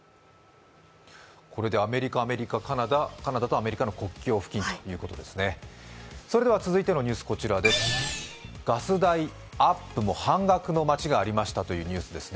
これでアメリカ、アメリカ、カナダ、カナダとアメリカの国境付近ということですね。